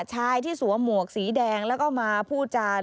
ชายที่สวมหมวกสีแดงแล้วก็มาพูดจาน